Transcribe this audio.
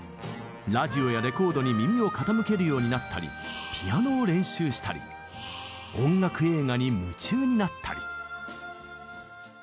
ラジオやレコードに耳を傾けるようになったりピアノを練習したり音楽映画に夢中になったり。